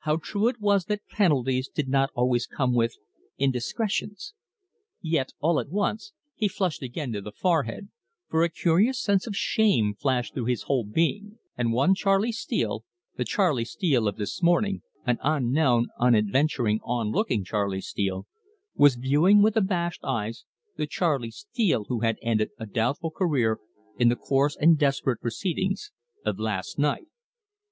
How true it was that penalties did not always come with indiscretions. Yet, all at once, he flushed again to the forehead, for a curious sense of shame flashed through his whole being, and one Charley Steele the Charley Steele of this morning, an unknown, unadventuring, onlooking Charley Steele was viewing with abashed eyes the Charley Steele who had ended a doubtful career in the coarse and desperate proceedings of last night.